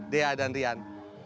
dea dan rian